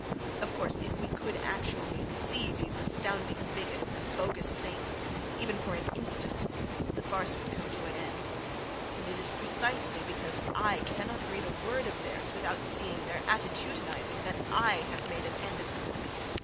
—Of course, if we could actually see these astounding bigots and bogus saints, even if only for an instant, the farce would come to an end,—and it is precisely because I cannot read a word of theirs without seeing their attitudinizing that I have made an end of them....